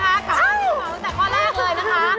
กลับไปต้นปลอมตั้งแต่ข้อแรกเลยนะคะ